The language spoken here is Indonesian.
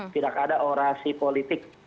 tidak ada orasi politik